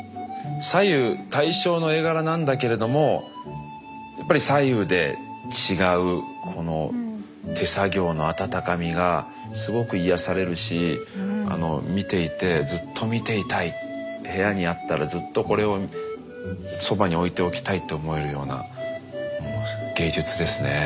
左右対称の絵柄なんだけれどもやっぱり左右で違う手作業の温かみがすごく癒やされるし見ていてずっと見ていたい部屋にあったらずっとこれをそばに置いておきたいと思えるような芸術ですね。